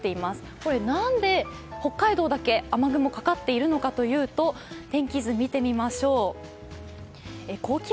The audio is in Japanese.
これ何で北海道だけ雨雲がかかっているのかというと天気図をみてみましょう。